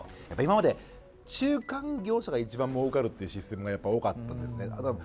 やっぱり今まで中間業者が一番もうかるっていうシステムが多かったんですね。